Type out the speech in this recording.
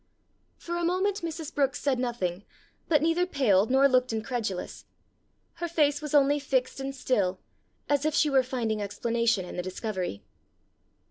For a moment Mrs. Brookes said nothing, but neither paled nor looked incredulous; her face was only fixed and still, as if she were finding explanation in the discovery.